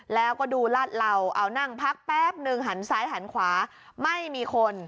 แล้วก็ดูลาดเหล่าเอานั่งพักแป๊บนึงหันซ้ายหันขวาไม่มีคน